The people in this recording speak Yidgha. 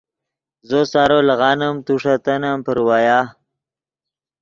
زو سارو لیغانیم تو ݰے تنن پراویا